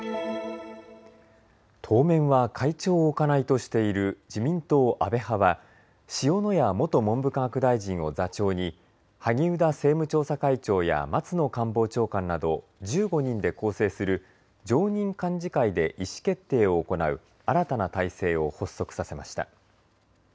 当面は会長を置かないとしている自民党安倍派は塩谷元文部科学大臣を座長に萩生田政務調査会長や松野官房長官など１５人で構成する常任幹事会で意思決定を行う新たな体制を発足させました。